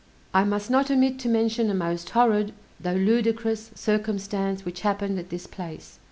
I must not omit to mention a most horrid (though ludicrous) circumstance which happened at this place.